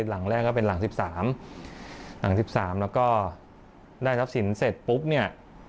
หลัง๑๓แล้วก็ได้ทับสินเสร็จปุ๊บเนี่ย